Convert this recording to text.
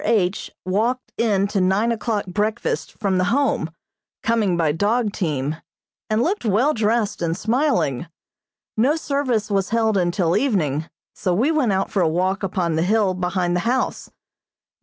H. walked in to nine o'clock breakfast from the Home, coming by dog team, and looked well dressed and smiling. No service was held until evening, so we went out for a walk upon the hill behind the house.